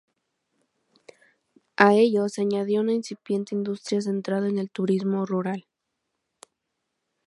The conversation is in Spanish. A ello se añadió una incipiente industria centrada en el turismo rural.